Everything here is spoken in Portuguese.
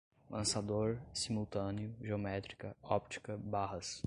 lançador, simultâneo, geométrica, óptica, barras